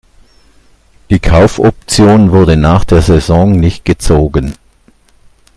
Die Kaufoption wurde nach der Saison nicht gezogen.